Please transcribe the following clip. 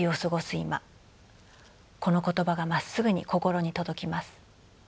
今この言葉がまっすぐに心に届きます。